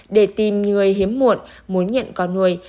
để tìm người hiếm muộn muốn nhận con nuôi